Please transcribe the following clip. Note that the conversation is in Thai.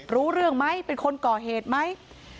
รู้เรื่องไหมเป็นคนก่อเหตุไหม